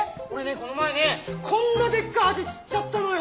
この前ねこんなでっかいアジ釣っちゃったのよ。